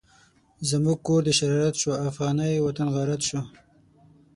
زموږ کور د شرارت شو، افغانی وطن غارت شو